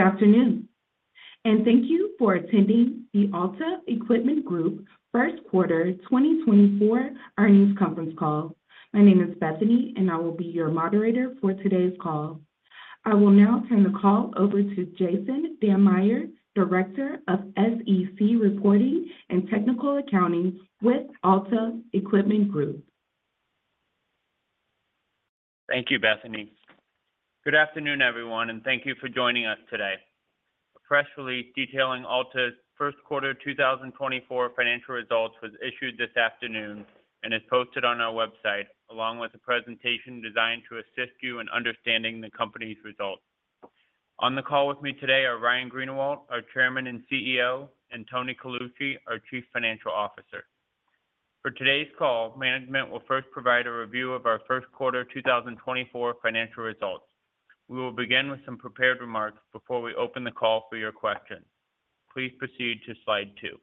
Good afternoon, and thank you for attending the Alta Equipment Group First Quarter 2024 Earnings Conference Call. My name is Bethany, and I will be your moderator for today's call. I will now turn the call over to Jason Dammeyer, Director of SEC Reporting and Technical Accounting with Alta Equipment Group. Thank you, Bethany. Good afternoon, everyone, and thank you for joining us today. A press release detailing Alta's first quarter 2024 financial results was issued this afternoon and is posted on our website, along with a presentation designed to assist you in understanding the company's results. On the call with me today are Ryan Greenawalt, our Chairman and CEO, and Tony Colucci, our Chief Financial Officer. For today's call, management will first provide a review of our first quarter 2024 financial results. We will begin with some prepared remarks before we open the call for your questions. Please proceed to slide two.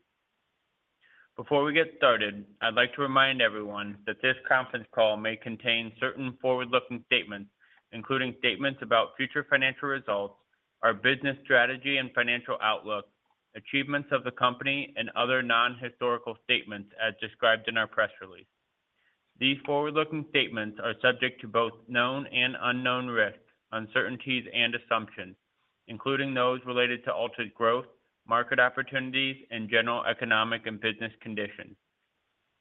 Before we get started, I'd like to remind everyone that this conference call may contain certain forward-looking statements, including statements about future financial results, our business strategy and financial outlook, achievements of the company, and other non-historical statements as described in our press release. These forward-looking statements are subject to both known and unknown risks, uncertainties, and assumptions, including those related to Alta's growth, market opportunities, and general economic and business conditions.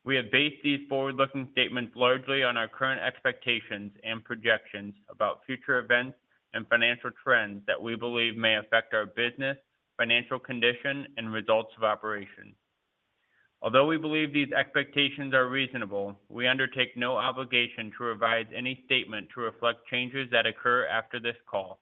We have based these forward-looking statements largely on our current expectations and projections about future events and financial trends that we believe may affect our business, financial condition, and results of operations. Although we believe these expectations are reasonable, we undertake no obligation to revise any statement to reflect changes that occur after this call.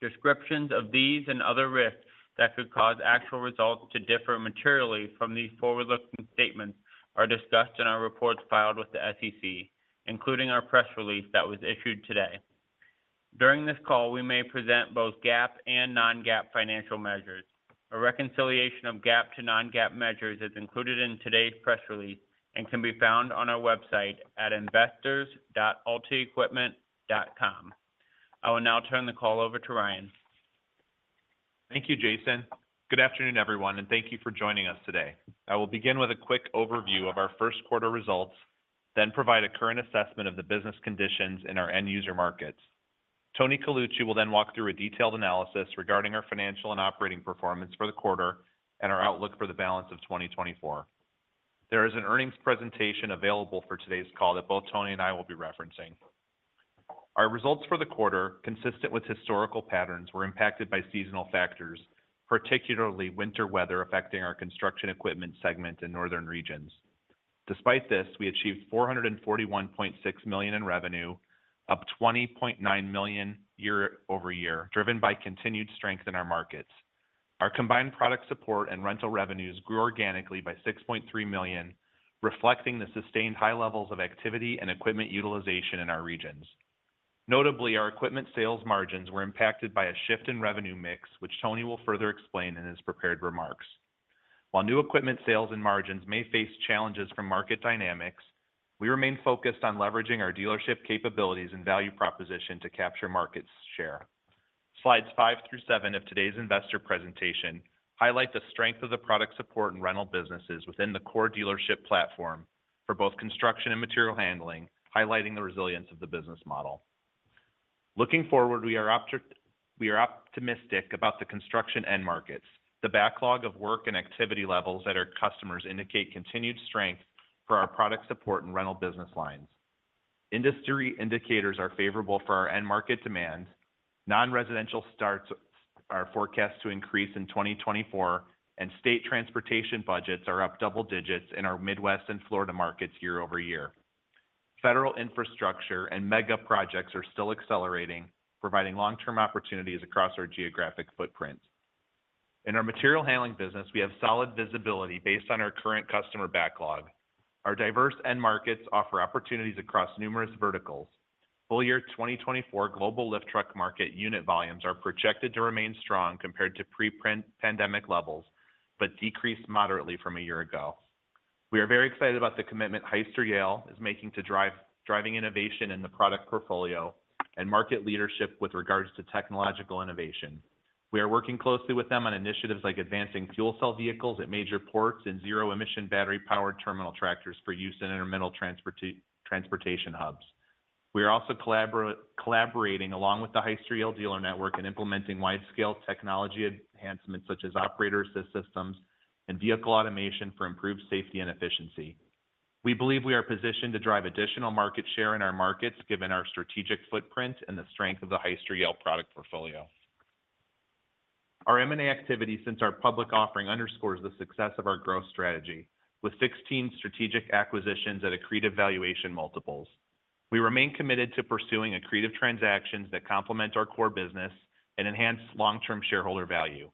Descriptions of these and other risks that could cause actual results to differ materially from these forward-looking statements are discussed in our reports filed with the SEC, including our press release that was issued today. During this call, we may present both GAAP and non-GAAP financial measures. A reconciliation of GAAP-to-non-GAAP measures is included in today's press release and can be found on our website at investors.altaequipment.com. I will now turn the call over to Ryan. Thank you, Jason. Good afternoon, everyone, and thank you for joining us today. I will begin with a quick overview of our first quarter results, then provide a current assessment of the business conditions in our end-user markets. Tony Colucci will then walk through a detailed analysis regarding our financial and operating performance for the quarter and our outlook for the balance of 2024. There is an earnings presentation available for today's call that both Tony and I will be referencing. Our results for the quarter, consistent with historical patterns, were impacted by seasonal factors, particularly winter weather affecting our Construction Equipment segment in northern regions. Despite this, we achieved $441.6 million in revenue, up $20.9 million year-over-year, driven by continued strength in our markets. Our combined product support and rental revenues grew organically by $6.3 million, reflecting the sustained high levels of activity and equipment utilization in our regions. Notably, our equipment sales margins were impacted by a shift in revenue mix, which Tony will further explain in his prepared remarks. While new equipment sales and margins may face challenges from market dynamics, we remain focused on leveraging our dealership capabilities and value proposition to capture market share. Slides five through seven of today's investor presentation highlight the strength of the product support and rental businesses within the core dealership platform for both Construction and Material Handling, highlighting the resilience of the business model. Looking forward, we are optimistic about the construction end markets, the backlog of work and activity levels that our customers indicate continued strength for our product support and rental business lines. Industry indicators are favorable for our end market demand. Non-residential starts are forecast to increase in 2024, and state transportation budgets are up double digits in our Midwest and Florida markets year-over-year. Federal infrastructure and mega projects are still accelerating, providing long-term opportunities across our geographic footprint. In our Material Handling business, we have solid visibility based on our current customer backlog. Our diverse end markets offer opportunities across numerous verticals. Full year 2024 global lift truck market unit volumes are projected to remain strong compared to pre-pandemic levels but decrease moderately from a year ago. We are very excited about the commitment Hyster-Yale is making to driving innovation in the product portfolio and market leadership with regards to technological innovation. We are working closely with them on initiatives like advancing fuel cell vehicles at major ports and zero-emission battery-powered terminal tractors for use in intermittent transportation hubs. We are also collaborating along with the Hyster-Yale dealer network and implementing widescale technology enhancements such as operator-assist systems and vehicle automation for improved safety and efficiency. We believe we are positioned to drive additional market share in our markets given our strategic footprint and the strength of the Hyster-Yale product portfolio. Our M&A activity since our public offering underscores the success of our growth strategy, with 16 strategic acquisitions at accretive valuation multiples. We remain committed to pursuing accretive transactions that complement our core business and enhance long-term shareholder value.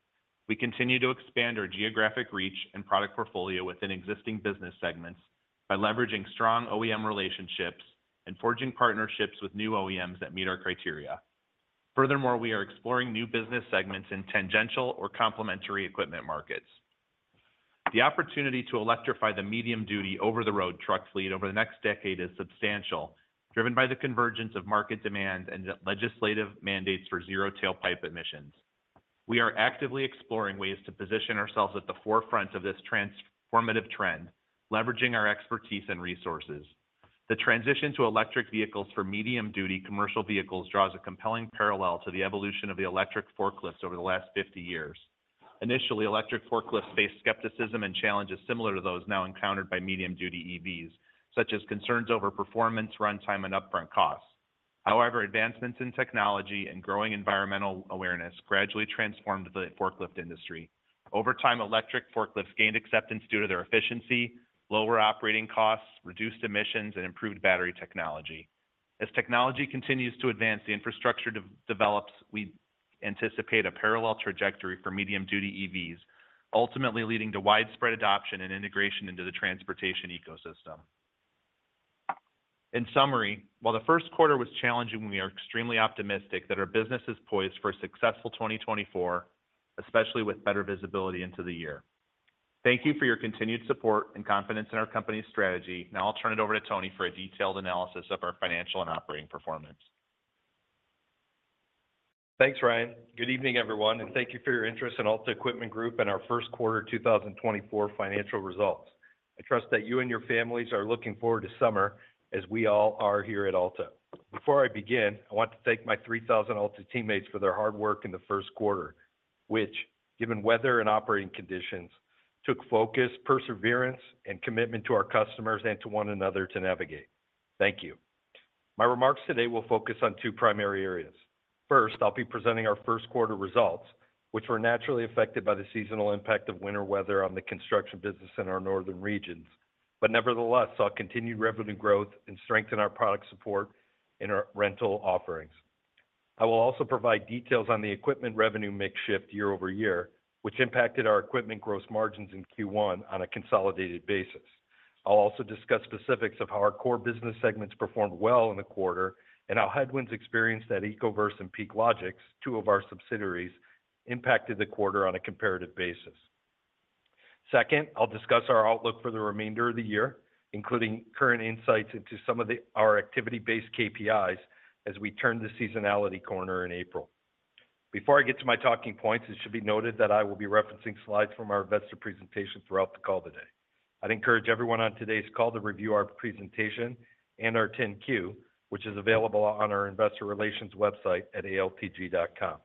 We continue to expand our geographic reach and product portfolio within existing business segments by leveraging strong OEM relationships and forging partnerships with new OEMs that meet our criteria. Furthermore, we are exploring new business segments in tangential or complementary equipment markets. The opportunity to electrify the medium-duty over-the-road truck fleet over the next decade is substantial, driven by the convergence of market demand and legislative mandates for zero-tailpipe emissions. We are actively exploring ways to position ourselves at the forefront of this transformative trend, leveraging our expertise and resources. The transition to electric vehicles for medium-duty commercial vehicles draws a compelling parallel to the evolution of the electric forklifts over the last 50 years. Initially, electric forklifts faced skepticism and challenges similar to those now encountered by medium-duty EVs, such as concerns over performance, runtime, and upfront costs. However, advancements in technology and growing environmental awareness gradually transformed the forklift industry. Over time, electric forklifts gained acceptance due to their efficiency, lower operating costs, reduced emissions, and improved battery technology. As technology continues to advance, the infrastructure develops, we anticipate a parallel trajectory for medium-duty EVs, ultimately leading to widespread adoption and integration into the transportation ecosystem. In summary, while the first quarter was challenging, we are extremely optimistic that our business is poised for a successful 2024, especially with better visibility into the year. Thank you for your continued support and confidence in our company's strategy. Now I'll turn it over to Tony for a detailed analysis of our financial and operating performance. Thanks, Ryan. Good evening, everyone, and thank you for your interest in Alta Equipment Group and our first quarter 2024 financial results. I trust that you and your families are looking forward to summer as we all are here at Alta. Before I begin, I want to thank my 3,000 Alta teammates for their hard work in the first quarter, which, given weather and operating conditions, took focus, perseverance, and commitment to our customers and to one another to navigate. Thank you. My remarks today will focus on two primary areas. First, I'll be presenting our first quarter results, which were naturally affected by the seasonal impact of winter weather on the Construction business in our northern regions, but nevertheless saw continued revenue growth and strength in our product support and our rental offerings. I will also provide details on the equipment revenue mix shift year-over-year, which impacted our equipment gross margins in Q1 on a consolidated basis. I'll also discuss specifics of how our core business segments performed well in the quarter and how headwinds experienced at Ecoverse and PeakLogix, two of our subsidiaries, impacted the quarter on a comparative basis. Second, I'll discuss our outlook for the remainder of the year, including current insights into some of our activity-based KPIs as we turn the seasonality corner in April. Before I get to my talking points, it should be noted that I will be referencing slides from our investor presentation throughout the call today. I'd encourage everyone on today's call to review our presentation and our 10-Q, which is available on our Investor Relations website at altg.com.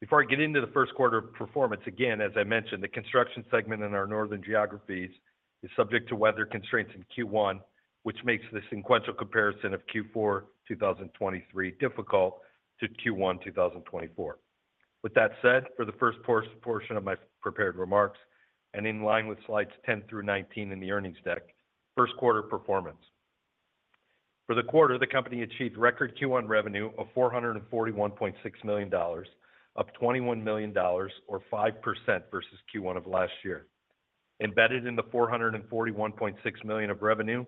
Before I get into the first quarter performance, again, as I mentioned, the Construction segment in our northern geographies is subject to weather constraints in Q1, which makes the sequential comparison of Q4 2023 difficult to Q1 2024. With that said, for the first portion of my prepared remarks, and in line with slides 10 through 19 in the earnings deck, first quarter performance. For the quarter, the company achieved record Q1 revenue of $441.6 million, up $21 million, or 5% versus Q1 of last year. Embedded in the $441.6 million of revenue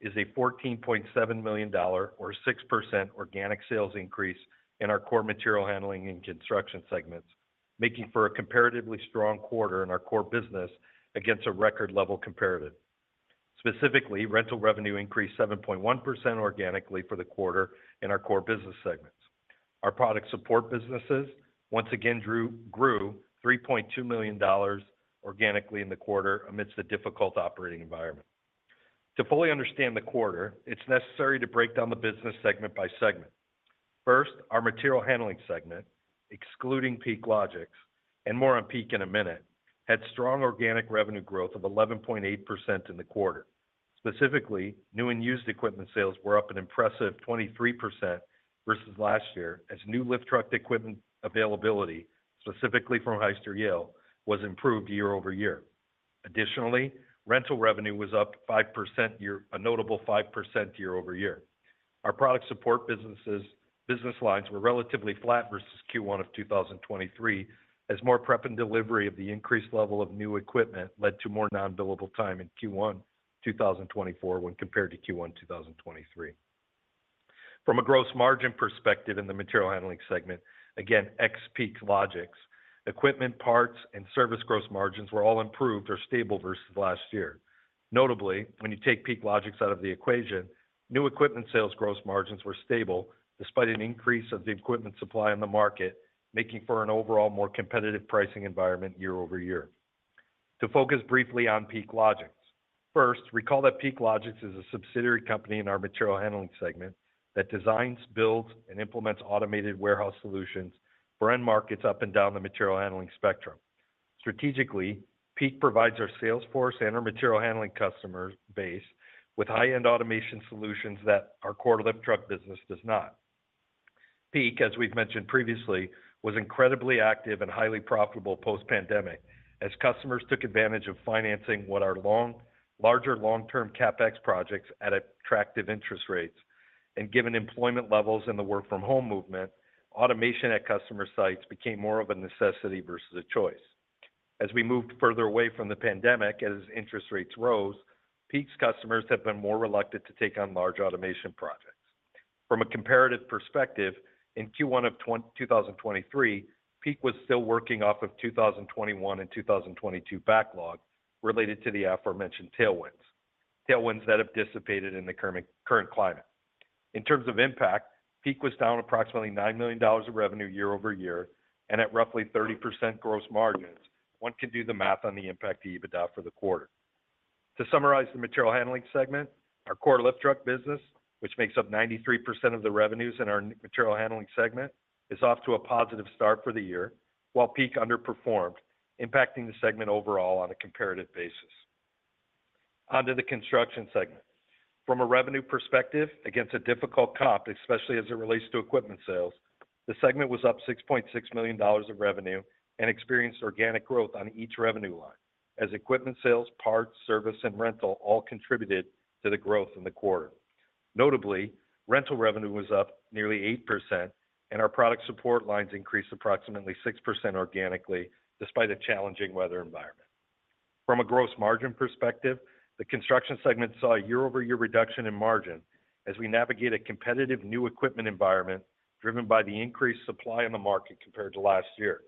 is a $14.7 million, or 6%, organic sales increase in our core Material Handling and Construction segments, making for a comparatively strong quarter in our core business against a record-level comparative. Specifically, rental revenue increased 7.1% organically for the quarter in our core business segments. Our product support businesses once again grew $3.2 million organically in the quarter amidst the difficult operating environment. To fully understand the quarter, it's necessary to break down the business segment by segment. First, our Material Handling segment, excluding PeakLogix, and more on Peak in a minute, had strong organic revenue growth of 11.8% in the quarter. Specifically, new and used equipment sales were up an impressive 23% versus last year as new lift truck equipment availability, specifically from Hyster-Yale, was improved year over year. Additionally, rental revenue was up a notable 5% year over year. Our product support business lines were relatively flat versus Q1 of 2023 as more prep and delivery of the increased level of new equipment led to more non-billable time in Q1 2024 when compared to Q1 2023. From a gross margin perspective in the Material Handling segment, again, ex-PeakLogix, equipment parts and service gross margins were all improved or stable versus last year. Notably, when you take PeakLogix out of the equation, new equipment sales gross margins were stable despite an increase of the equipment supply in the market, making for an overall more competitive pricing environment year-over-year. To focus briefly on PeakLogix. First, recall that PeakLogix is a subsidiary company in our Material Handling segment that designs, builds, and implements automated warehouse solutions for end markets up and down the Material Handling spectrum. Strategically, PeakLogix provides our salesforce and our Material Handling customer base with high-end automation solutions that our core lift truck business does not. Peak, as we've mentioned previously, was incredibly active and highly profitable post-pandemic as customers took advantage of financing what are larger long-term CapEx projects at attractive interest rates. Given employment levels and the work-from-home movement, automation at customer sites became more of a necessity versus a choice. As we moved further away from the pandemic as interest rates rose, Peak's customers have been more reluctant to take on large automation projects. From a comparative perspective, in Q1 of 2023, Peak was still working off of 2021 and 2022 backlog related to the aforementioned tailwinds that have dissipated in the current climate. In terms of impact, Peak was down approximately $9 million of revenue year-over-year and at roughly 30% gross margins. One can do the math on the impact EBITDA for the quarter. To summarize the Material Handling segment, our core lift truck business, which makes up 93% of the revenues in our Material Handling segment, is off to a positive start for the year, while Peak underperformed, impacting the segment overall on a comparative basis. Onto the Construction segment. From a revenue perspective, against a difficult comp, especially as it relates to equipment sales, the segment was up $6.6 million of revenue and experienced organic growth on each revenue line as equipment sales, parts, service, and rental all contributed to the growth in the quarter. Notably, rental revenue was up nearly 8%, and our product support lines increased approximately 6% organically despite a challenging weather environment. From a gross margin perspective, the Construction segment saw a year-over-year reduction in margin as we navigate a competitive new equipment environment driven by the increased supply in the market compared to last year.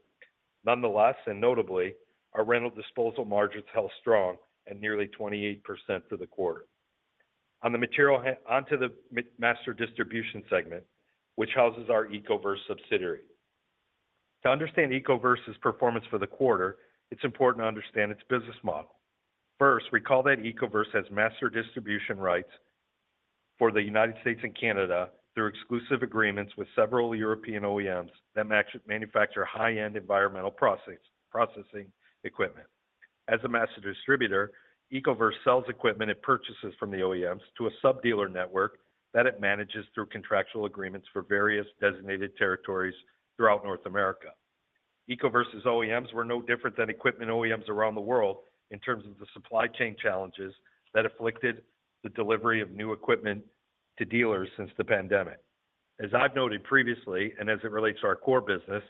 Nonetheless, and notably, our rental disposal margins held strong at nearly 28% for the quarter. Onto the Master Distribution segment, which houses our Ecoverse subsidiary. To understand Ecoverse's performance for the quarter, it's important to understand its business model. First, recall that Ecoverse has master distribution rights for the United States and Canada through exclusive agreements with several European OEMs that manufacture high-end environmental processing equipment. As a master distributor, Ecoverse sells equipment it purchases from the OEMs to a subdealer network that it manages through contractual agreements for various designated territories throughout North America. Ecoverse's OEMs were no different than equipment OEMs around the world in terms of the supply chain challenges that afflicted the delivery of new equipment to dealers since the pandemic. As I've noted previously and as it relates to our core business,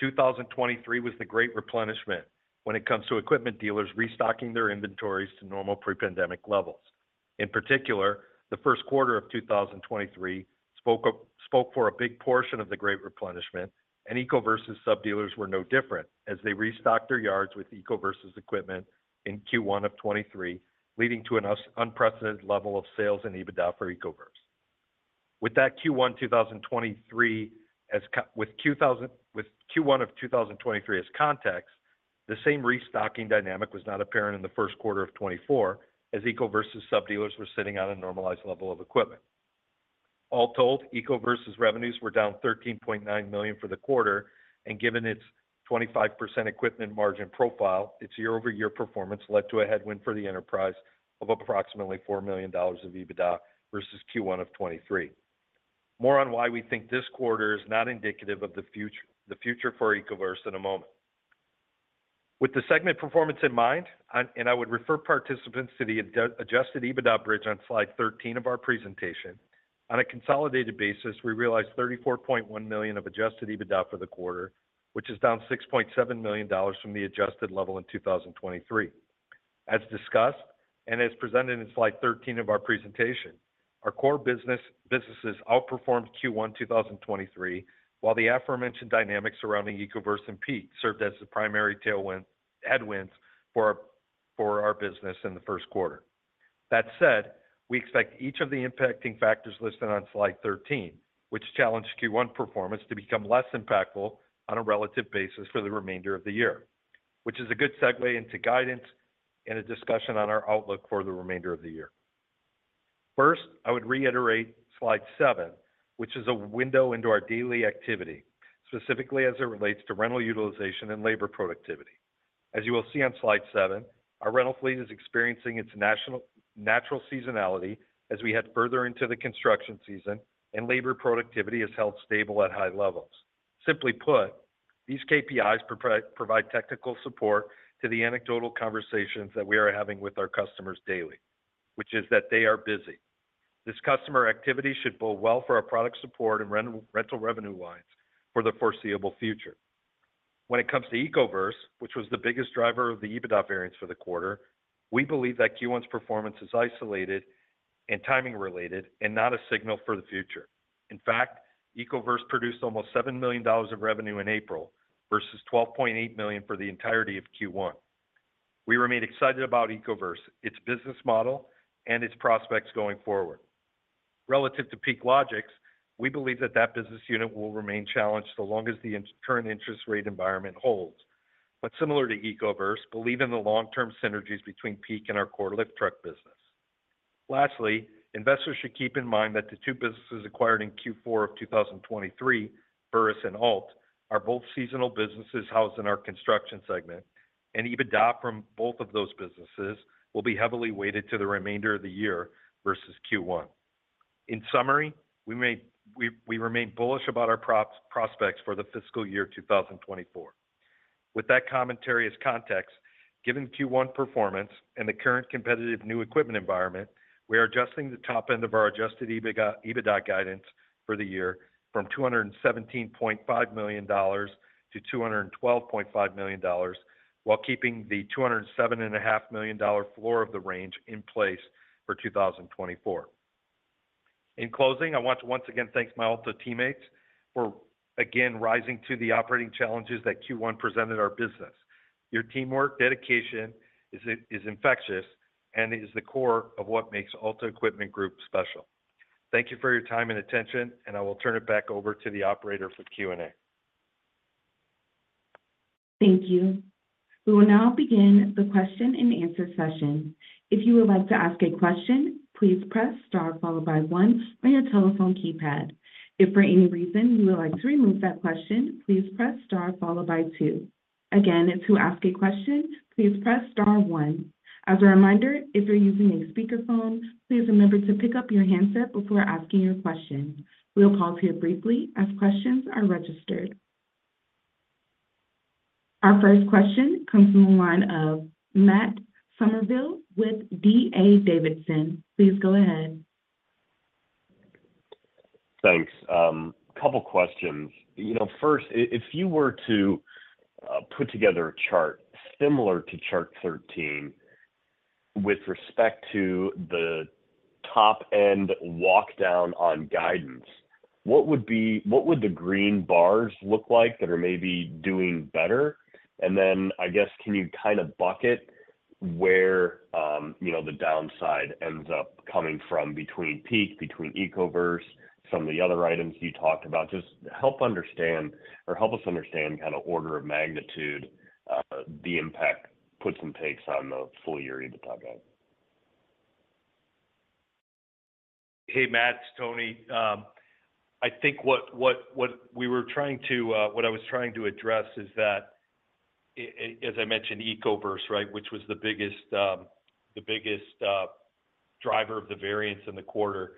2023 was the great replenishment when it comes to equipment dealers restocking their inventories to normal pre-pandemic levels. In particular, the first quarter of 2023 spoke for a big portion of the great replenishment, and Ecoverse's subdealers were no different as they restocked their yards with Ecoverse's equipment in Q1 of 2023, leading to an unprecedented level of sales and EBITDA for Ecoverse. With Q1 of 2023 as context, the same restocking dynamic was not apparent in the first quarter of 2024 as Ecoverse's subdealers were sitting on a normalized level of equipment. All told, Ecoverse's revenues were down $13.9 million for the quarter, and given its 25% equipment margin profile, its year-over-year performance led to a headwind for the enterprise of approximately $4 million of EBITDA versus Q1 of 2023. More on why we think this quarter is not indicative of the future for Ecoverse in a moment. With the segment performance in mind, and I would refer participants to the adjusted EBITDA bridge on slide 13 of our presentation, on a consolidated basis, we realized $34.1 million of adjusted EBITDA for the quarter, which is down $6.7 million from the adjusted level in 2023. As discussed and as presented in slide 13 of our presentation, our core businesses outperformed Q1 2023, while the aforementioned dynamics surrounding Ecoverse and Peak served as the primary headwinds for our business in the first quarter. That said, we expect each of the impacting factors listed on slide 13, which challenged Q1 performance, to become less impactful on a relative basis for the remainder of the year, which is a good segue into guidance and a discussion on our outlook for the remainder of the year. First, I would reiterate slide seven, which is a window into our daily activity, specifically as it relates to rental utilization and labor productivity. As you will see on slide seven, our rental fleet is experiencing its natural seasonality as we head further into the construction season, and labor productivity is held stable at high levels. Simply put, these KPIs provide technical support to the anecdotal conversations that we are having with our customers daily, which is that they are busy. This customer activity should bode well for our product support and rental revenue lines for the foreseeable future. When it comes to Ecoverse, which was the biggest driver of the EBITDA variance for the quarter, we believe that Q1's performance is isolated and timing-related and not a signal for the future. In fact, Ecoverse produced almost $7 million of revenue in April versus $12.8 million for the entirety of Q1. We remain excited about Ecoverse, its business model, and its prospects going forward. Relative to PeakLogix, we believe that that business unit will remain challenged so long as the current interest rate environment holds, but similar to Ecoverse, believe in the long-term synergies between PeakLogix and our core lift truck business. Lastly, investors should keep in mind that the two businesses acquired in Q4 of 2023, Burris and Ault, are both seasonal businesses housed in our Construction segment, and EBITDA from both of those businesses will be heavily weighted to the remainder of the year versus Q1. In summary, we remain bullish about our prospects for the fiscal year 2024. With that commentary as context, given Q1 performance and the current competitive new equipment environment, we are adjusting the top end of our adjusted EBITDA guidance for the year from $217.5 million to $212.5 million, while keeping the $207.5 million floor of the range in place for 2024. In closing, I want to once again thank my Alta teammates for, again, rising to the operating challenges that Q1 presented our business. Your teamwork, dedication is infectious, and it is the core of what makes Alta Equipment Group special. Thank you for your time and attention, and I will turn it back over to the operator for Q&A. Thank you. We will now begin the question and answer session. If you would like to ask a question, please press star followed by one on your telephone keypad. If for any reason you would like to remove that question, please press star followed by two. Again, to ask a question, please press star one. As a reminder, if you're using a speakerphone, please remember to pick up your handset before asking your question. We'll pause here briefly as questions are registered. Our first question comes from the line of Matt Summerville with D.A. Davidson. Please go ahead. Thanks. A couple of questions. First, if you were to put together a chart similar to chart 13 with respect to the top-end walkdown on guidance, what would the green bars look like that are maybe doing better? And then, I guess, can you kind of bucket where the downside ends up coming from between Peak, between Ecoverse, some of the other items you talked about? Just help us understand kind of order of magnitude the impact puts and takes on the full-year EBITDA guidance. Hey, Matt, it's Tony. I think what we were trying to what I was trying to address is that, as I mentioned, Ecoverse, right, which was the biggest driver of the variance in the quarter.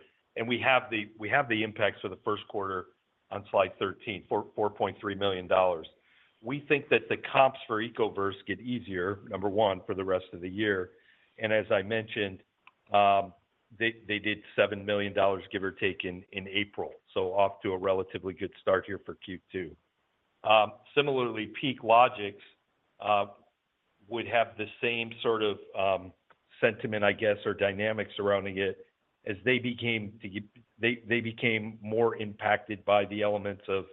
We have the impacts for the first quarter on slide 13, $4.3 million. We think that the comps for Ecoverse get easier, number one, for the rest of the year. And as I mentioned, they did $7 million, give or take, in April. So off to a relatively good start here for Q2. Similarly, PeakLogix would have the same sort of sentiment, I guess, or dynamics surrounding it as they became more impacted by the elements of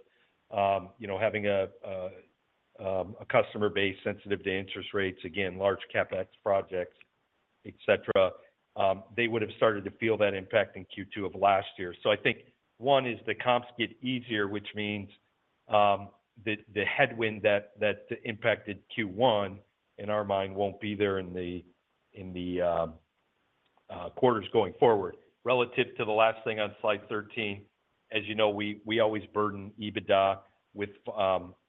having a customer base sensitive to interest rates, again, large CapEx projects, etc. They would have started to feel that impact in Q2 of last year. So I think, one, is the comps get easier, which means the headwind that impacted Q1, in our mind, won't be there in the quarters going forward. Relative to the last thing on slide 13, as you know, we always burden EBITDA with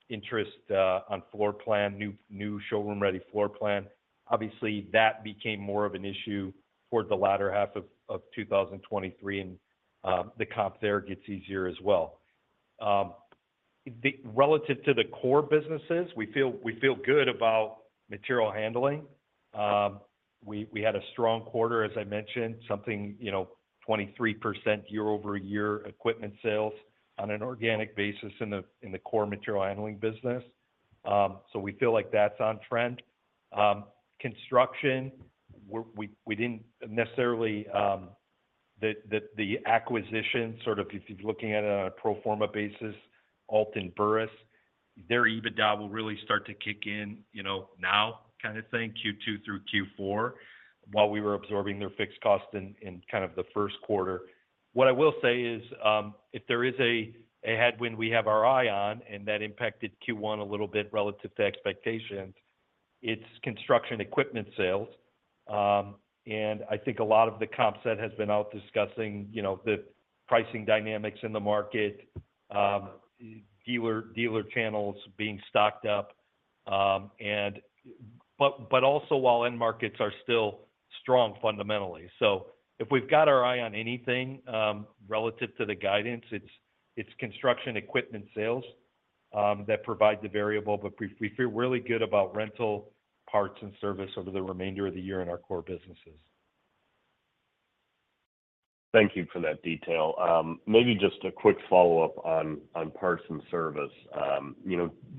interest on floor plan, new showroom-ready floor plan. Obviously, that became more of an issue toward the latter half of 2023, and the comp there gets easier as well. Relative to the core businesses, we feel good about Material Handling. We had a strong quarter, as I mentioned, something 23% year-over-year equipment sales on an organic basis in the core Material Handling business. So we feel like that's on trend. Construction, we didn't necessarily the acquisition, sort of if you're looking at it on a pro forma basis, Ault and Burris, their EBITDA will really start to kick in now kind of thing, Q2 through Q4, while we were absorbing their fixed cost in kind of the first quarter. What I will say is if there is a headwind we have our eye on and that impacted Q1 a little bit relative to expectations, it's Construction Equipment sales. I think a lot of the comp set has been out discussing the pricing dynamics in the market, dealer channels being stocked up, but also while end markets are still strong fundamentally. So if we've got our eye on anything relative to the guidance, it's Construction Equipment sales that provide the variable, but we feel really good about rental parts and service over the remainder of the year in our core businesses. Thank you for that detail. Maybe just a quick follow-up on parts and service.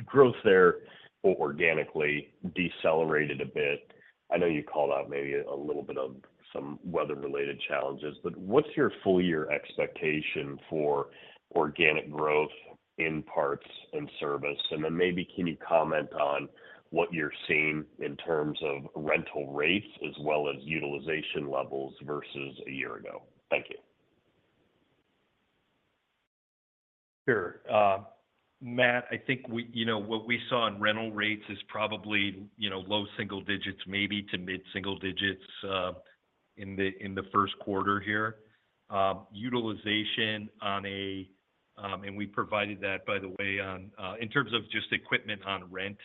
Growth there. Organically decelerated a bit. I know you called out maybe a little bit of some weather-related challenges, but what's your full-year expectation for organic growth in parts and service? And then maybe can you comment on what you're seeing in terms of rental rates as well as utilization levels versus a year ago? Thank you. Sure. Matt, I think what we saw in rental rates is probably low single digits, maybe to mid-single digits in the first quarter here. Utilization on a and we provided that, by the way, in terms of just equipment on rent.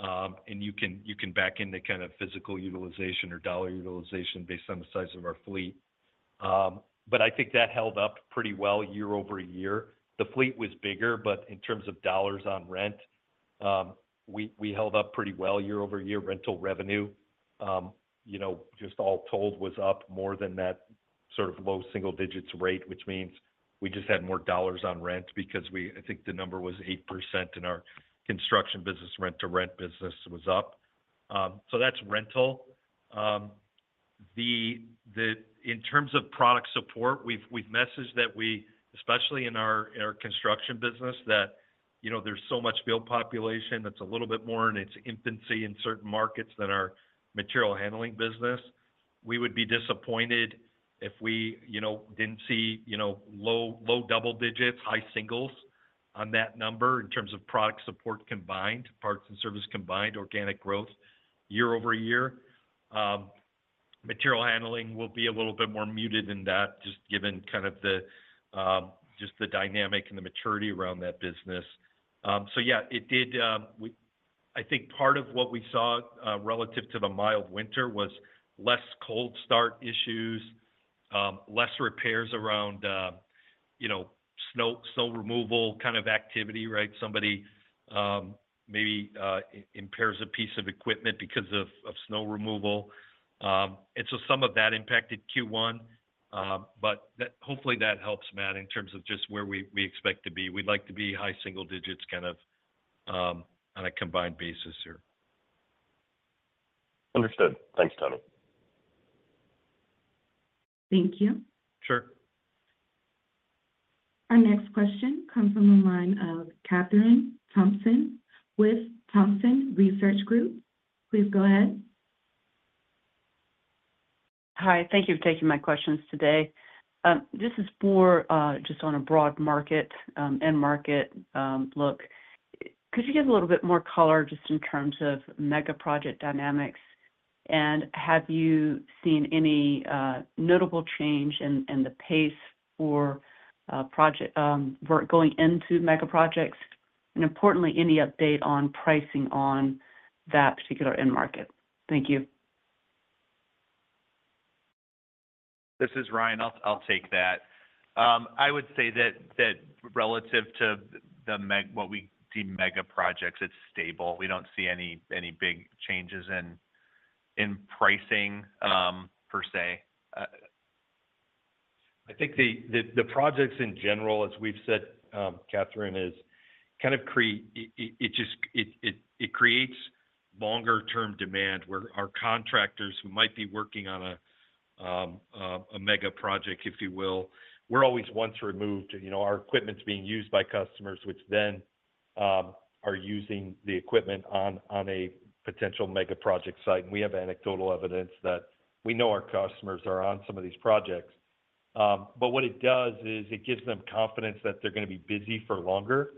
And you can back into kind of physical utilization or dollar utilization based on the size of our fleet. But I think that held up pretty well year-over-year. The fleet was bigger, but in terms of dollars on rent, we held up pretty well year-over-year. Rental revenue, just all told, was up more than that sort of low single digits rate, which means we just had more dollars on rent because I think the number was 8% in our construction business. Rent-to-rent business was up. So that's rental. In terms of product support, we've messaged that we, especially in our Construction business, that there's so much build population that's a little bit more in its infancy in certain markets than our Material Handling business. We would be disappointed if we didn't see low double digits, high singles on that number in terms of product support combined, parts and service combined, organic growth year-over-year. Material Handling will be a little bit more muted in that, just given kind of just the dynamic and the maturity around that business. So yeah, it did. I think part of what we saw relative to the mild winter was less cold start issues, less repairs around snow removal kind of activity, right? Somebody maybe impairs a piece of equipment because of snow removal. And so some of that impacted Q1. Hopefully, that helps, Matt, in terms of just where we expect to be. We'd like to be high single digits kind of on a combined basis here. Understood. Thanks, Tony. Thank you. Sure. Our next question comes from the line of Kathryn Thompson with Thompson Research Group. Please go ahead. Hi. Thank you for taking my questions today. This is just on a broad end market look. Could you give a little bit more color just in terms of mega project dynamics? And have you seen any notable change in the pace for going into mega projects and, importantly, any update on pricing on that particular end market? Thank you. This is Ryan. I'll take that. I would say that relative to what we see mega projects, it's stable. We don't see any big changes in pricing, per se. I think the projects in general, as we've said, Kathryn, is kind of it creates longer-term demand where our contractors who might be working on a mega project, if you will, we're always once removed. Our equipment's being used by customers, which then are using the equipment on a potential mega project site. And we have anecdotal evidence that we know our customers are on some of these projects. But what it does is it gives them confidence that they're going to be busy for longer.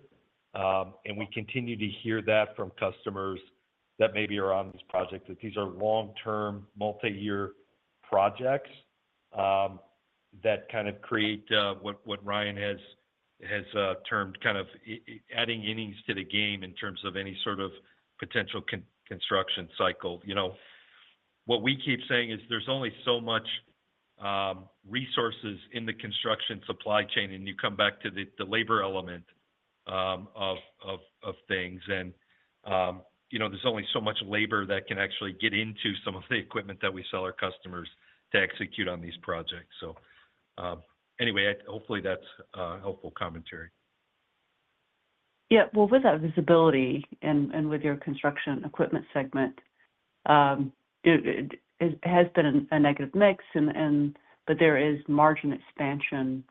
And we continue to hear that from customers that maybe are on these projects, that these are long-term, multi-year projects that kind of create what Ryan has termed kind of adding innings to the game in terms of any sort of potential construction cycle. What we keep saying is there's only so much resources in the construction supply chain, and you come back to the labor element of things. There's only so much labor that can actually get into some of the equipment that we sell our customers to execute on these projects. Anyway, hopefully, that's helpful commentary. Yeah. Well, with that visibility and with your Construction Equipment segment, it has been a negative mix, but there is margin expansion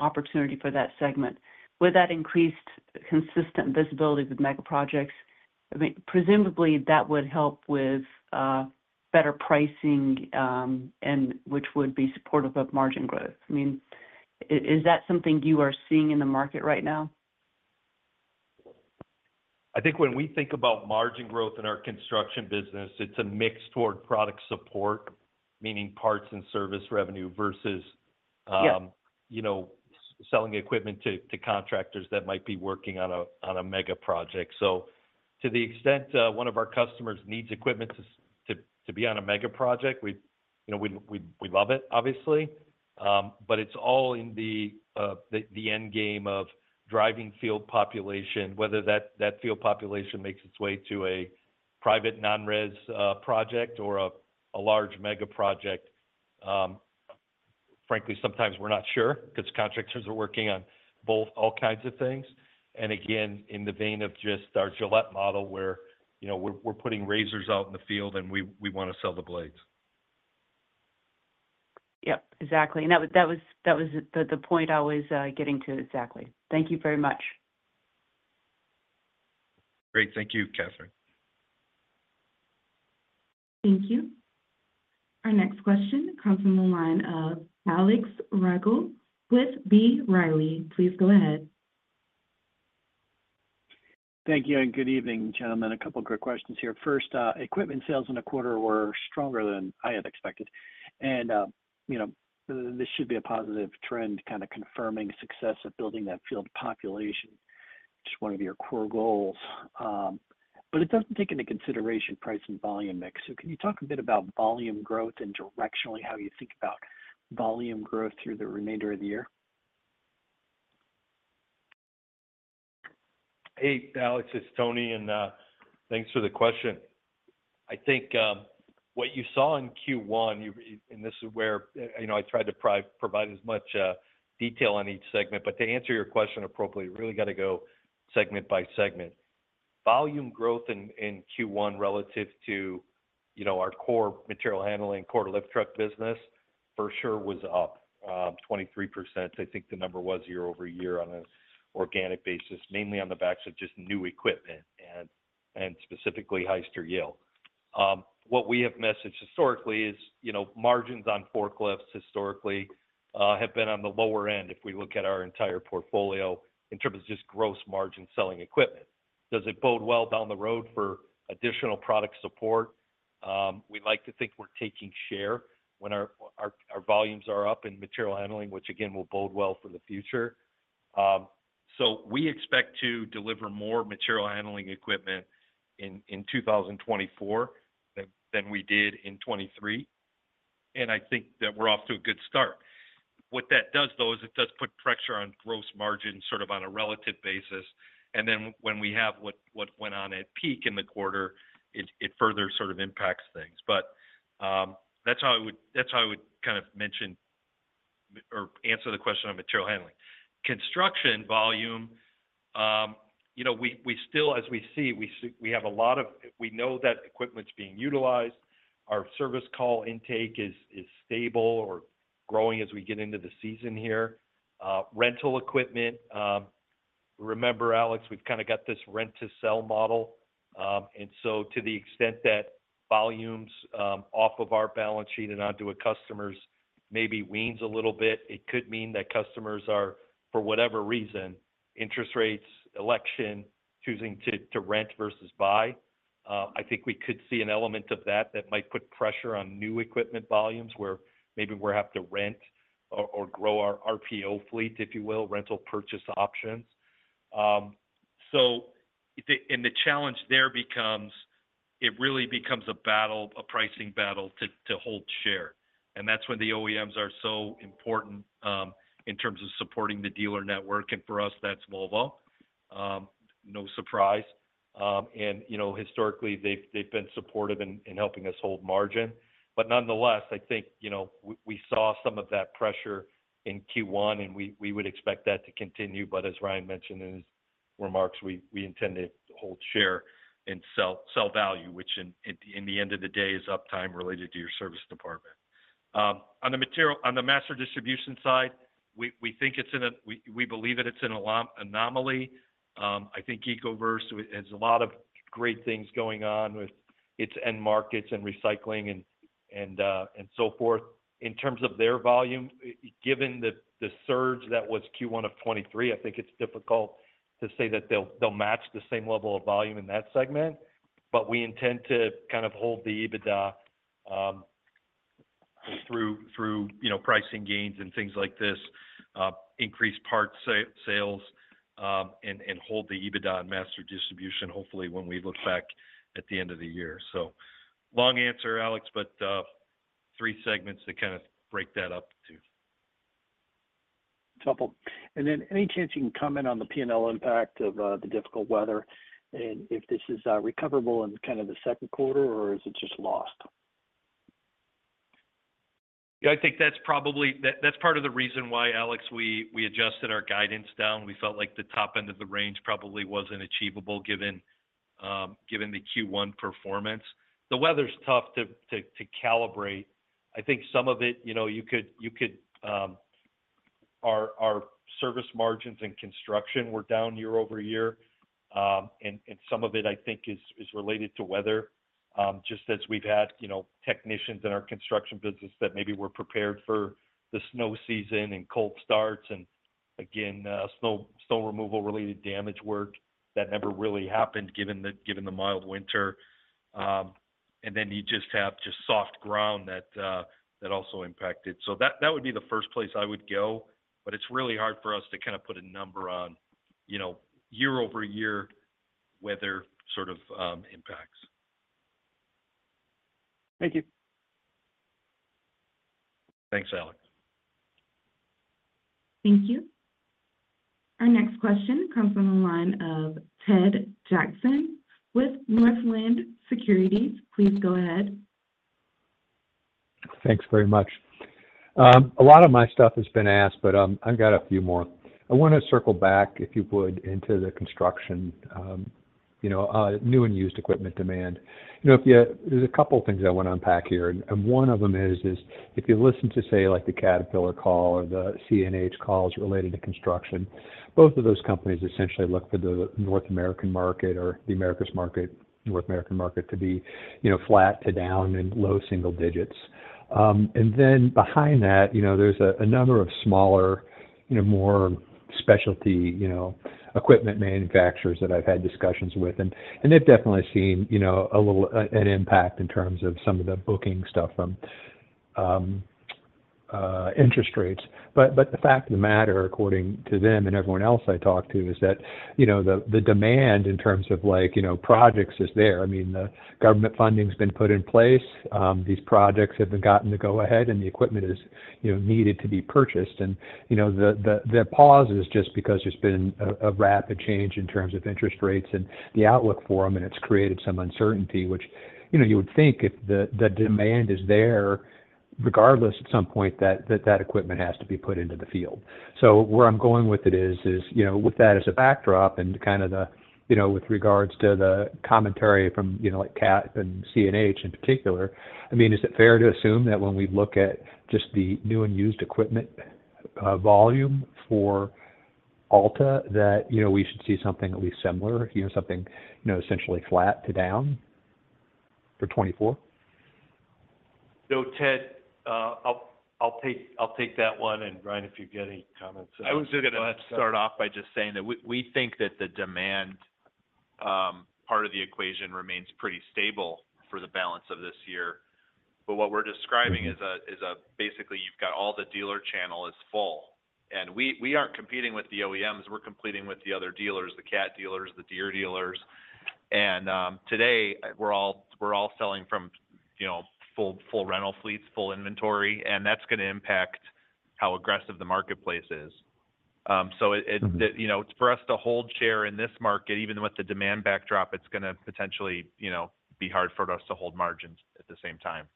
opportunity for that segment. With that increased consistent visibility with mega projects, presumably, that would help with better pricing, which would be supportive of margin growth. I mean, is that something you are seeing in the market right now? I think when we think about margin growth in our Construction business, it's a mix toward product support, meaning parts and service revenue, versus selling equipment to contractors that might be working on a mega project. So to the extent one of our customers needs equipment to be on a mega project, we'd love it, obviously. But it's all in the end game of driving field population, whether that field population makes its way to a private non-res project or a large mega project. Frankly, sometimes we're not sure because contractors are working on all kinds of things. And again, in the vein of just our Gillette model where we're putting razors out in the field, and we want to sell the blades. Yep. Exactly. And that was the point I was getting to, exactly. Thank you very much. Great. Thank you, Kathryn. Thank you. Our next question comes from the line of Alex Rygiel with B. Riley. Please go ahead. Thank you. Good evening, gentlemen. A couple of quick questions here. First, equipment sales in a quarter were stronger than I had expected. This should be a positive trend, kind of confirming success of building that field population, just one of your core goals. It doesn't take into consideration price and volume mix. Can you talk a bit about volume growth and directionally how you think about volume growth through the remainder of the year? Hey, Alex. It's Tony. Thanks for the question. I think what you saw in Q1, and this is where I tried to provide as much detail on each segment, but to answer your question appropriately, you really got to go segment by segment. Volume growth in Q1 relative to our core Material Handling quarter lift truck business for sure was up 23%. I think the number was year-over-year on an organic basis, mainly on the backs of just new equipment and specifically Hyster-Yale. What we have messaged historically is margins on forklifts historically have been on the lower end if we look at our entire portfolio in terms of just gross margin selling equipment. Does it bode well down the road for additional product support? We like to think we're taking share when our volumes are up in Material Handling, which, again, will bode well for the future. So we expect to deliver more Material Handling equipment in 2024 than we did in 2023. And I think that we're off to a good start. What that does, though, is it does put pressure on gross margin sort of on a relative basis. And then when we have what went on at PeakLogix in the quarter, it further sort of impacts things. But that's how I would kind of mention or answer the question on Material Handling. Construction volume, as we see, we have a lot of we know that equipment's being utilized. Our service call intake is stable or growing as we get into the season here. Rental equipment, remember, Alex, we've kind of got this rent-to-sell model. And so, to the extent that volumes off of our balance sheet and onto a customer's maybe wanes a little bit, it could mean that customers are, for whatever reason, interest rates, election, choosing to rent versus buy. I think we could see an element of that that might put pressure on new equipment volumes where maybe we're having to rent or grow our RPO fleet, if you will, rental purchase options. And the challenge there becomes it really becomes a pricing battle to hold share. And that's when the OEMs are so important in terms of supporting the dealer network. And for us, that's Volvo, no surprise. And historically, they've been supportive in helping us hold margin. But nonetheless, I think we saw some of that pressure in Q1, and we would expect that to continue. But as Ryan mentioned in his remarks, we intend to hold share and sell value, which at the end of the day is uptime related to your service department. On the master distribution side, we think we believe that it's an anomaly. I think Ecoverse has a lot of great things going on with its end markets and recycling and so forth. In terms of their volume, given the surge that was Q1 of 2023, I think it's difficult to say that they'll match the same level of volume in that segment. But we intend to kind of hold the EBITDA through pricing gains and things like this, increase part sales, and hold the EBITDA on master distribution, hopefully, when we look back at the end of the year. So long answer, Alex, but three segments to kind of break that up to. It's helpful. And then any chance you can comment on the P&L impact of the difficult weather and if this is recoverable in kind of the second quarter, or is it just lost? Yeah. I think that's probably part of the reason why, Alex, we adjusted our guidance down. We felt like the top end of the range probably wasn't achievable given the Q1 performance. The weather's tough to calibrate. I think some of it you could our service margins in Construction were down year-over-year. And some of it, I think, is related to weather, just as we've had technicians in our Construction business that maybe were prepared for the snow season and cold starts and, again, snow removal-related damage work that never really happened given the mild winter. And then you just have just soft ground that also impacted. So that would be the first place I would go. But it's really hard for us to kind of put a number on year-over-year weather sort of impacts. Thank you. Thanks, Alex. Thank you. Our next question comes from the line of Ted Jackson with Northland Securities. Please go ahead. Thanks very much. A lot of my stuff has been asked, but I've got a few more. I want to circle back, if you would, into the construction new and used equipment demand. There's a couple of things I want to unpack here. One of them is if you listen to, say, the Caterpillar call or the CNH calls related to construction. Both of those companies essentially look for the North American market or the America's market, North American market, to be flat to down and low single digits. Then behind that, there's a number of smaller, more specialty equipment manufacturers that I've had discussions with. And they've definitely seen a little an impact in terms of some of the booking stuff from interest rates. But the fact of the matter, according to them and everyone else I talk to, is that the demand in terms of projects is there. I mean, the government funding's been put in place. These projects have been gotten the go-ahead, and the equipment is needed to be purchased. And the pause is just because there's been a rapid change in terms of interest rates and the outlook for them, and it's created some uncertainty, which you would think if the demand is there, regardless, at some point, that equipment has to be put into the field. So where I'm going with it is with that as a backdrop and kind of with regards to the commentary from CAT and CNH in particular, I mean, is it fair to assume that when we look at just the new and used equipment volume for Alta, that we should see something at least similar, something essentially flat to down for 2024? No, Ted, I'll take that one. And Ryan, if you've got any comments. I was just going to start off by just saying that we think that the demand part of the equation remains pretty stable for the balance of this year. But what we're describing is basically you've got all the dealer channel is full. And we aren't competing with the OEMs. We're competing with the other dealers, the CAT dealers, the Deere dealers. And today, we're all selling from full rental fleets, full inventory. And that's going to impact how aggressive the marketplace is. So for us to hold share in this market, even with the demand backdrop, it's going to potentially be hard for us to hold margins at the same time.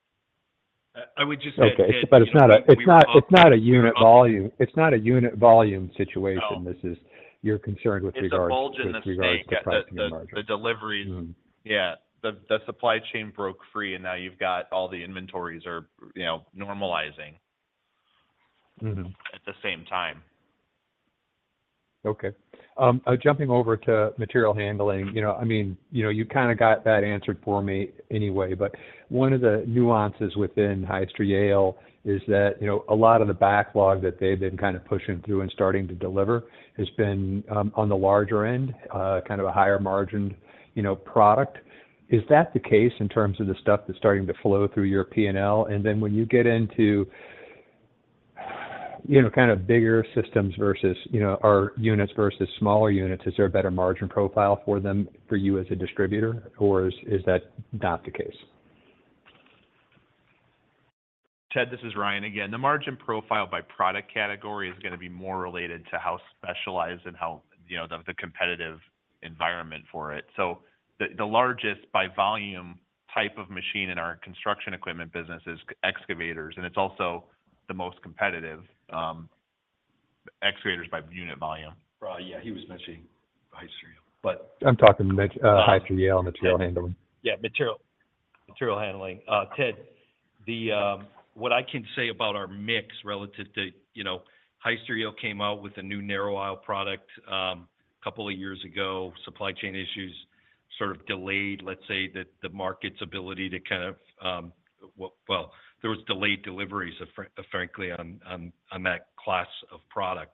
I would just say. Okay. But it's not a unit volume. It's not a unit volume situation. This is, you're concerned with regards to pricing and margin. It's a bulge in the deliveries. Yeah. The supply chain broke free, and now you've got all the inventories are normalizing at the same time. Okay. Jumping over to Material Handling, I mean, you kind of got that answered for me anyway. But one of the nuances within Hyster-Yale is that a lot of the backlog that they've been kind of pushing through and starting to deliver has been on the larger end, kind of a higher-margined product. Is that the case in terms of the stuff that's starting to flow through your P&L? And then when you get into kind of bigger systems versus our units versus smaller units, is there a better margin profile for them for you as a distributor, or is that not the case? Ted, this is Ryan again. The margin profile by product category is going to be more related to how specialized and how the competitive environment for it. So the largest by volume type of machine in our Construction Equipment business is excavators. And it's also the most competitive excavators by unit volume. Yeah. He was mentioning Hyster-Yale, but. I'm talking about the mix and Material Handling. Yeah. Material handling. Ted, what I can say about our mix relative to Hyster-Yale came out with a new narrow aisle product a couple of years ago. Supply chain issues sort of delayed, let's say, the market's ability to kind of well, there was delayed deliveries, frankly, on that class of product.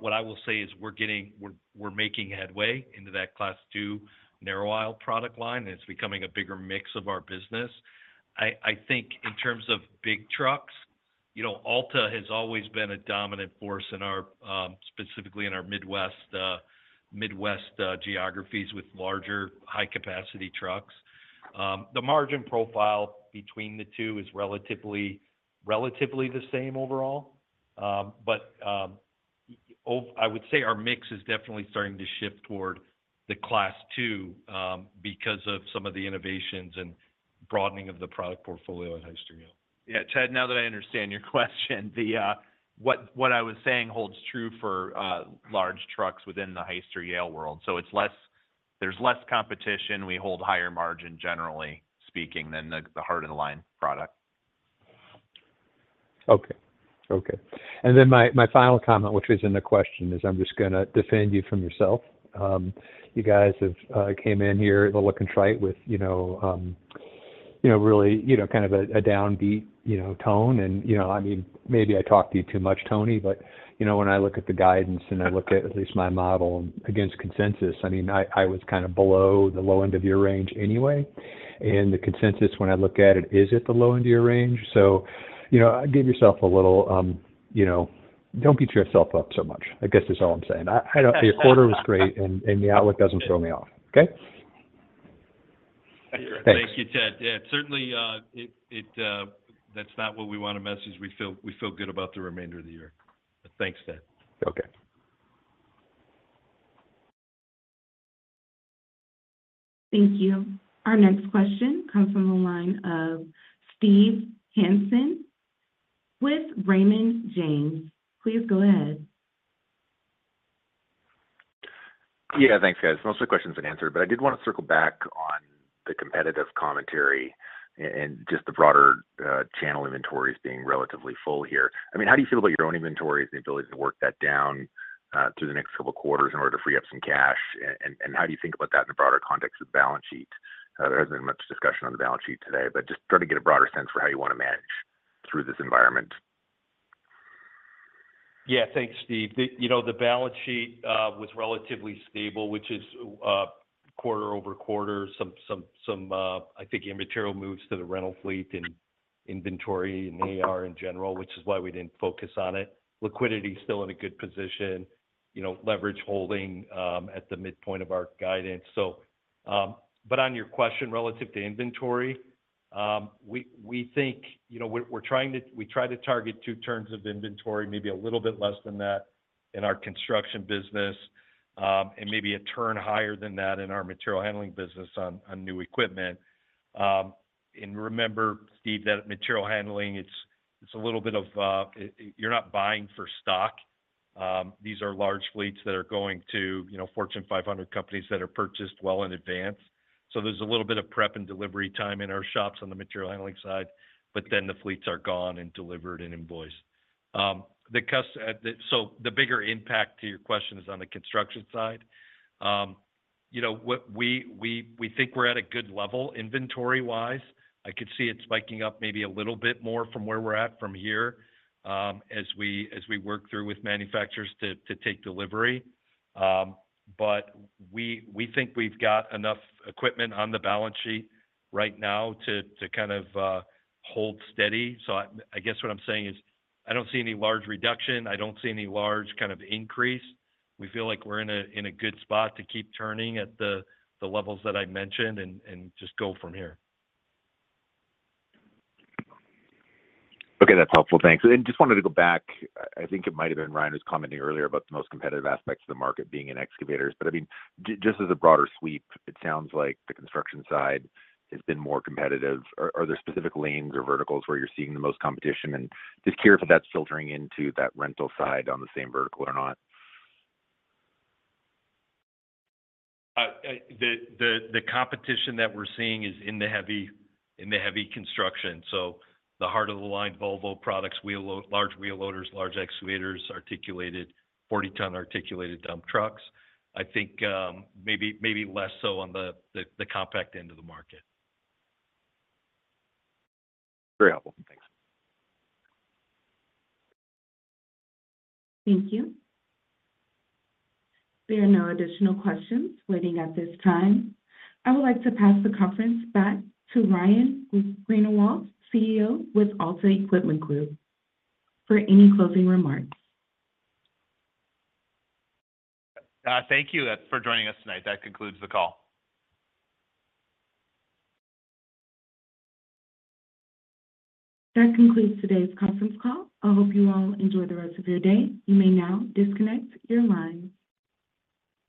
What I will say is we're making headway into that Class II narrow aisle product line, and it's becoming a bigger mix of our business. I think in terms of big trucks, Alta has always been a dominant force specifically in our Midwest geographies with larger, high-capacity trucks. The margin profile between the two is relatively the same overall. But I would say our mix is definitely starting to shift toward the Class II because of some of the innovations and broadening of the product portfolio at Hyster-Yale. Yeah. Ted, now that I understand your question, what I was saying holds true for large trucks within the Hyster-Yale world. So there's less competition. We hold higher margin, generally speaking, than the heart of the line product. Okay. Okay. And then my final comment, which was in the question, is I'm just going to defend you from yourself. You guys came in here a little contrite with really kind of a downbeat tone. And I mean, maybe I talked to you too much, Tony, but when I look at the guidance and I look at least my model against consensus, I mean, I was kind of below the low end of your range anyway. And the consensus, when I look at it, is at the low end of your range. So give yourself a little, don't beat yourself up so much. I guess that's all I'm saying. Your quarter was great, and the outlook doesn't throw me off. Okay? Thank you. Thanks. Thank you, Ted. Yeah. Certainly, that's not what we want to message. We feel good about the remainder of the year. But thanks, Ted. Okay. Thank you. Our next question comes from the line of Steve Hansen with Raymond James. Please go ahead. Yeah. Thanks, guys. Most of the questions have been answered, but I did want to circle back on the competitive commentary and just the broader channel inventories being relatively full here. I mean, how do you feel about your own inventories and the ability to work that down through the next couple of quarters in order to free up some cash? And how do you think about that in the broader context of the balance sheet? There hasn't been much discussion on the balance sheet today, but just trying to get a broader sense for how you want to manage through this environment. Yeah. Thanks, Steve. The balance sheet was relatively stable, which is quarter over quarter. I think inventory moves to the rental fleet and inventory and AR in general, which is why we didn't focus on it. Liquidity is still in a good position. Leverage holding at the midpoint of our guidance. But on your question relative to inventory, we try to target two turns of inventory, maybe a little bit less than that in our Construction business, and maybe a turn higher than that in our Material Handling business on new equipment. And remember, Steve, that Material Handling, it's a little bit of you're not buying for stock. These are large fleets that are going to Fortune 500 companies that are purchased well in advance. So there's a little bit of prep and delivery time in our shops on the Material Handling side, but then the fleets are gone and delivered and invoiced. So the bigger impact to your question is on the Construction side. We think we're at a good level inventory-wise. I could see it spiking up maybe a little bit more from where we're at from here as we work through with manufacturers to take delivery. But we think we've got enough equipment on the balance sheet right now to kind of hold steady. So I guess what I'm saying is I don't see any large reduction. I don't see any large kind of increase. We feel like we're in a good spot to keep turning at the levels that I mentioned and just go from here. Okay. That's helpful. Thanks. And just wanted to go back. I think it might have been Ryan was commenting earlier about the most competitive aspects of the market being in excavators. But I mean, just as a broader sweep, it sounds like the Construction side has been more competitive. Are there specific lanes or verticals where you're seeing the most competition? And just curious if that's filtering into that rental side on the same vertical or not. The competition that we're seeing is in the heavy construction. So the heart of the line, Volvo products, large wheel loaders, large excavators, 40 ton articulated dump trucks, I think maybe less so on the compact end of the market. Very helpful. Thanks. Thank you. There are no additional questions waiting at this time. I would like to pass the conference back to Ryan Greenawalt, CEO with Alta Equipment Group, for any closing remarks. Thank you for joining us tonight. That concludes the call. That concludes today's conference call. I hope you all enjoy the rest of your day. You may now disconnect your line.